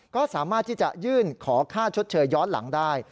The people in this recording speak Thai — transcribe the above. ก็สามารถที่จะยื่นขอค่าชดเชยย้อนหลังได้